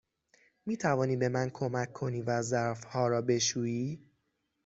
می توانی به من کمک کنی و ظرف ها را بشویی؟